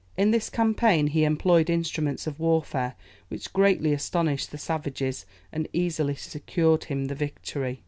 In this campaign he employed instruments of warfare which greatly astonished the savages, and easily secured him the victory.